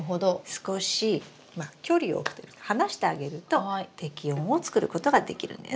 少しまあ距離をおくというか離してあげると適温をつくることができるんです。